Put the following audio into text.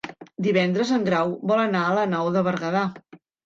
Divendres en Grau vol anar a la Nou de Berguedà.